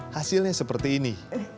hasilnya seperti ini